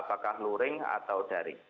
apakah luring atau daring